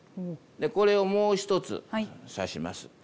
でこれをもう一つ刺します。